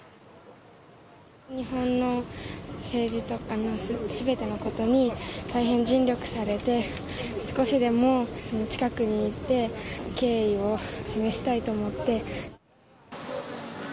日本の政治とかのすべてのことに大変尽力されて、少しでも近くに行って、敬意を示したいと思って。